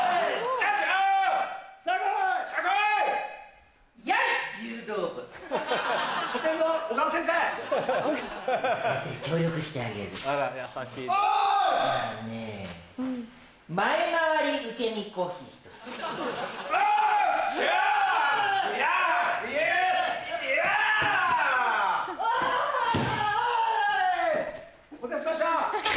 アイ！お待たせしました。